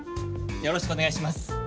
よろしくお願いします。